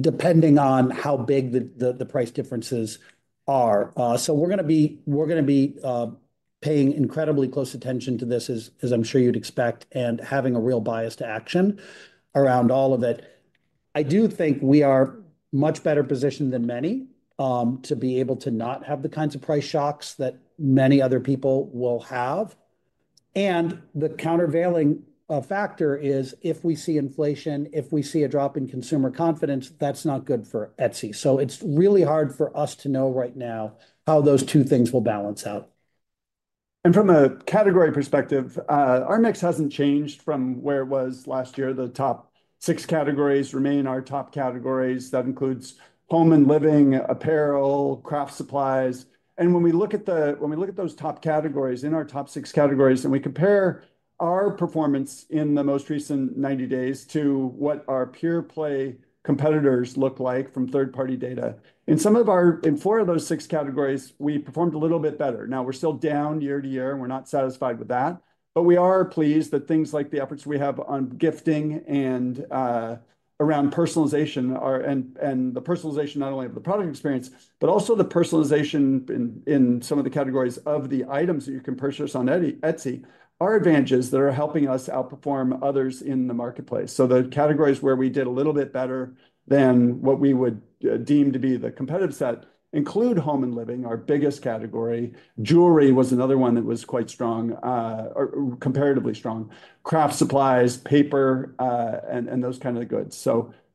depending on how big the price differences are. We are going to be paying incredibly close attention to this, as I am sure you would expect, and having a real bias to action around all of it. I do think we are much better positioned than many to be able to not have the kinds of price shocks that many other people will have. The countervailing factor is if we see inflation, if we see a drop in consumer confidence, that's not good for Etsy. It's really hard for us to know right now how those two things will balance out. From a category perspective, our mix hasn't changed from where it was last year. The top six categories remain our top categories. That includes home and living, apparel, craft supplies. When we look at those top categories in our top six categories and we compare our performance in the most recent 90 days to what our pure-play competitors look like from third-party data, in four of those six categories, we performed a little bit better. Now we're still down year to year. We're not satisfied with that. We are pleased that things like the efforts we have on gifting and around personalization and the personalization not only of the product experience, but also the personalization in some of the categories of the items that you can purchase on Etsy, are advantages that are helping us outperform others in the marketplace. The categories where we did a little bit better than what we would deem to be the competitive set include home and living, our biggest category. Jewelry was another one that was quite strong, comparatively strong. Craft supplies, paper, and those kinds of goods.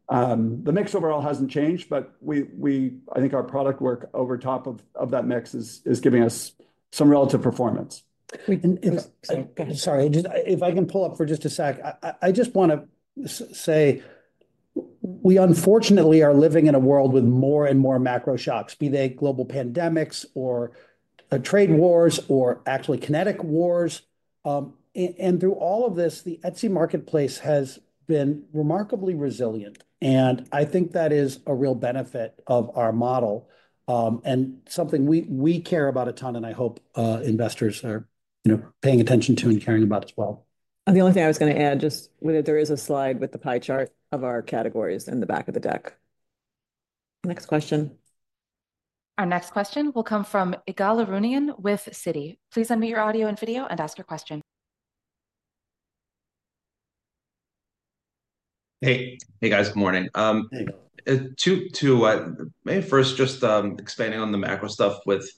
The mix overall hasn't changed, but I think our product work over top of that mix is giving us some relative performance. Sorry. If I can pull up for just a sec, I just want to say we unfortunately are living in a world with more and more macro shocks, be they global pandemics or trade wars or actually kinetic wars. Through all of this, the Etsy Marketplace has been remarkably resilient. I think that is a real benefit of our model and something we care about a ton, and I hope investors are paying attention to and caring about as well. The only thing I was going to add, just there is a slide with the pie chart of our categories in the back of the deck. Next question. Our next question will come from Ygal Arounian with Citi. Please unmute your audio and video and ask your question. Hey. Hey, guys. Good morning. Hey. Maybe first just expanding on the macro stuff with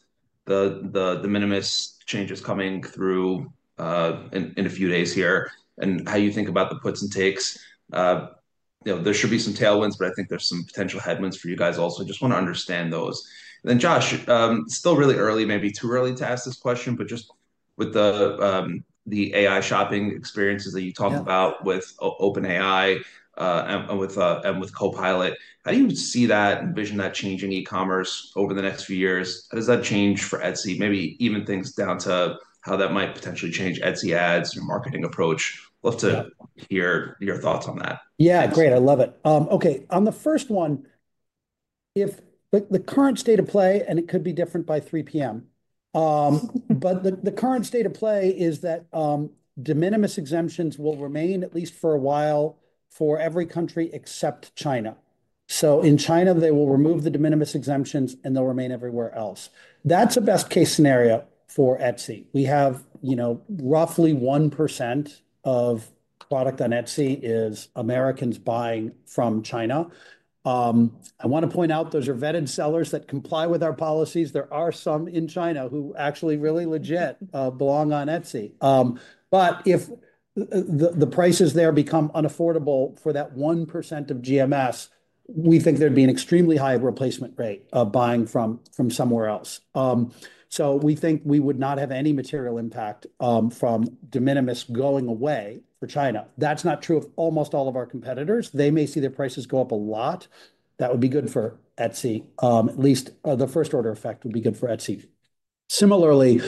the de minimis changes coming through in a few days here and how you think about the puts and takes. There should be some tailwinds, but I think there's some potential headwinds for you guys also, just want to understand those. Josh, still really early, maybe too early to ask this question, but just with the AI shopping experiences that you talked about with OpenAI and with Copilot, how do you see that and envision that changing e-commerce over the next few years? How does that change for Etsy? Maybe even things down to how that might potentially change Etsy ads and marketing approach.I will love to hear your thoughts on that? Yeah. Great. I love it. Okay. On the first one, the current state of play, and it could be different by 3:00 P.M., but the current state of play is that de minimis exemptions will remain at least for a while for every country except China. In China, they will remove the de minimis exemptions, and they'll remain everywhere else. That's a best-case scenario for Etsy. We have roughly 1% of product on Etsy is Americans buying from China. I want to point out those are vetted sellers that comply with our policies. There are some in China who actually really legit belong on Etsy. If the prices there become unaffordable for that 1% of GMS, we think there'd be an extremely high replacement rate of buying from somewhere else. We think we would not have any material impact from de minimis going away for China. That's not true of almost all of our competitors. They may see their prices go up a lot. That would be good for Etsy. At least the first-order effect would be good for Etsy. Similarly,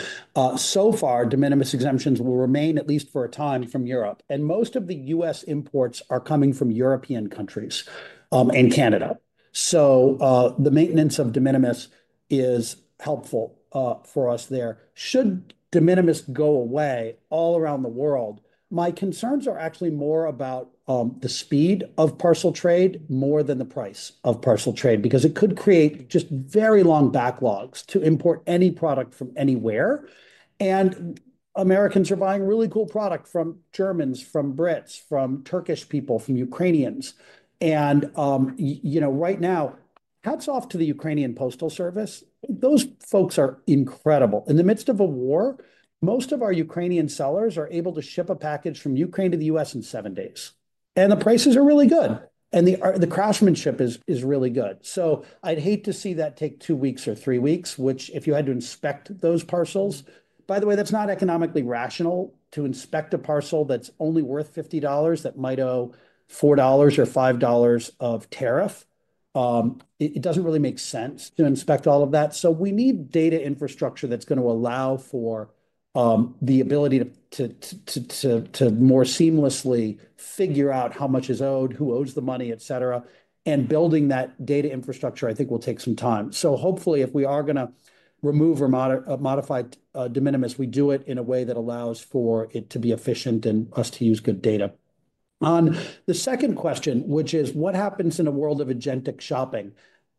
so far, de minimis exemptions will remain at least for a time from Europe. Most of the U.S. imports are coming from European countries and Canada. The maintenance of de minimis is helpful for us there. Should de minimis go away all around the world, my concerns are actually more about the speed of parcel trade more than the price of parcel trade because it could create just very long backlogs to import any product from anywhere. Americans are buying really cool product from Germans, from Brits, from Turkish people, from Ukrainians. Right now, hats off to the Ukrainian Postal Service. Those folks are incredible. In the midst of a war, most of our Ukrainian sellers are able to ship a package from Ukraine to the U.S. in seven days. The prices are really good. The craftsmanship is really good. I'd hate to see that take two weeks or three weeks, which, if you had to inspect those parcels, by the way, that's not economically rational to inspect a parcel that's only worth $50 that might owe $4 or $5 of tariff. It does not really make sense to inspect all of that. We need data infrastructure that's going to allow for the ability to more seamlessly figure out how much is owed, who owes the money, etc. Building that data infrastructure, I think, will take some time. Hopefully, if we are going to remove or modify de minimis, we do it in a way that allows for it to be efficient and us to use good data. On the second question, which is, what happens in a world of agentic shopping?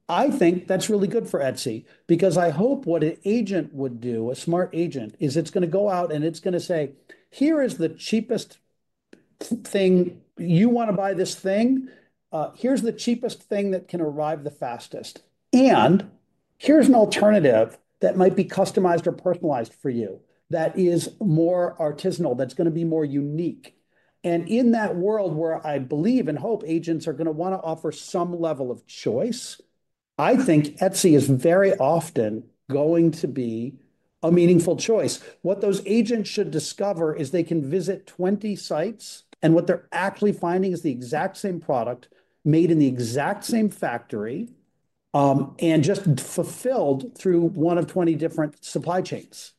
I think that's really good for Etsy because I hope what an agent would do, a smart agent, is it's going to go out and it's going to say, "Here is the cheapest thing. You want to buy this thing? Here's the cheapest thing that can arrive the fastest. And here's an alternative that might be customized or personalized for you that is more artisanal, that's going to be more unique." In that world where I believe and hope agents are going to want to offer some level of choice, I think Etsy is very often going to be a meaningful choice. What those agents should discover is they can visit 20 sites, and what they're actually finding is the exact same product made in the exact same factory and just fulfilled through one of 20 different supply chains.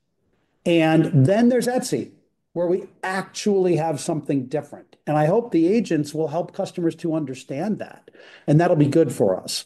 There is Etsy where we actually have something different. I hope the agents will help customers to understand that. That will be good for us.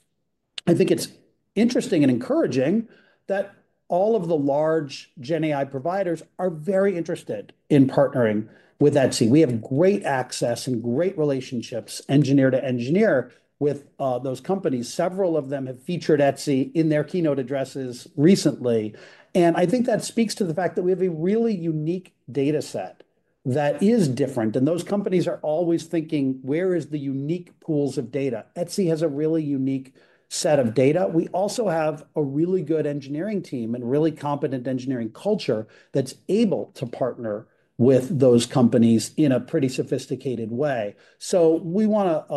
I think it's interesting and encouraging that all of the GenAI providers are very interested in partnering with Etsy. We have great access and great relationships engineer-to-engineer with those companies. Several of them have featured Etsy in their keynote addresses recently. I think that speaks to the fact that we have a really unique data set that is different. Those companies are always thinking, "Where is the unique pools of data?" Etsy has a really unique set of data. We also have a really good engineering team and really competent engineering culture that's able to partner with those companies in a pretty sophisticated way. So we want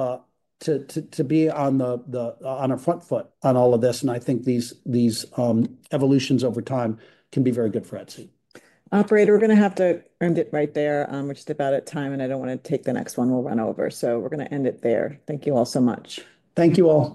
to be on our front foot on all of this. I think these evolutions over time can be very good for Etsy. Operator, we're going to have to end it right there. We're just about at time, and I don't want to take the next one. We'll run over. We're going to end it there. Thank you all so much. Thank you all.